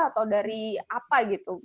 atau dari apa gitu